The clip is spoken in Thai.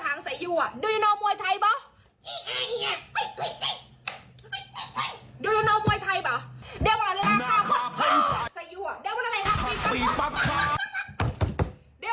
ของมันมันก็แย่